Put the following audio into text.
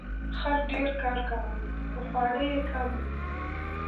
خر ډیر کار کاوه خو خواړه یې کم وو.